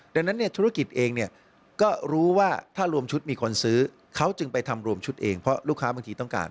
ดังนั้นเนี่ยธุรกิจเองเนี่ยก็รู้ว่าถ้ารวมชุดมีคนซื้อเขาจึงไปทำรวมชุดเองเพราะลูกค้าบางทีต้องการ